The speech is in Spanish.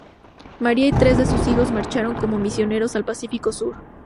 Maria y tres de sus hijos marcharon como misioneros al Pacífico Sur.